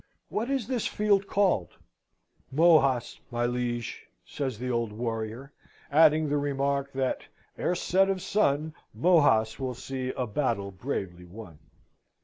"What is this field called?" "Mohacz, my liege!" says the old warrior, adding the remark that "Ere set of sun, Mohacz will see a battle bravely won."